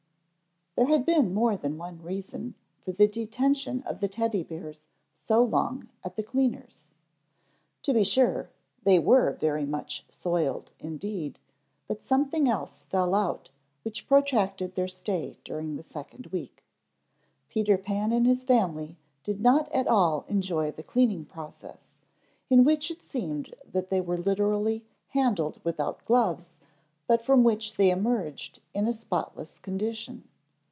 _ THERE had been more than one reason for the detention of the Teddy bears so long at the cleaner's. To be sure, they were very much soiled indeed, but something else fell out which protracted their stay during the second week. Peter Pan and his family did not at all enjoy the cleaning process, in which it seemed that they were literally handled without gloves, but from which they emerged in a spotless condition.